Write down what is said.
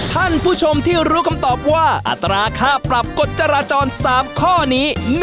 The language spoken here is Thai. ท่านผู้ชมที่รู้คำตอบว่าอัตราค่าปรับกฎจราจร๓ข้อนี้